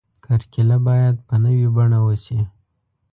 کرکیله باید په نوې بڼه وشي.